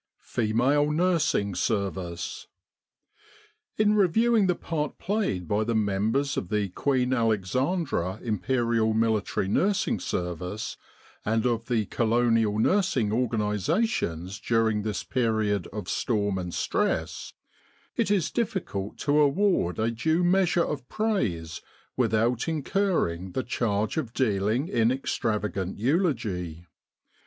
FEMALE NURSING SERVICE In reviewing the part played by the members of the Queen Alexandra Imperial Military Nursing Service and of the Colonial nursing organisations during this period of storm and stress, it is difficult to award a due measure of praise without incurring the charge of dealing in extravagant eulogy.